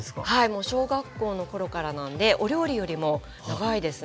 もう小学校の頃からなんでお料理よりも長いですね。